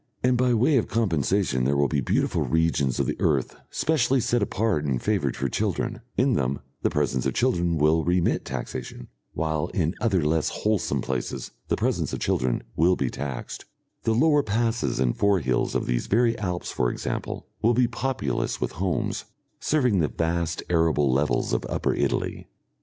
And by way of compensation there will be beautiful regions of the earth specially set apart and favoured for children; in them the presence of children will remit taxation, while in other less wholesome places the presence of children will be taxed; the lower passes and fore hills of these very Alps, for example, will be populous with homes, serving the vast arable levels of Upper Italy.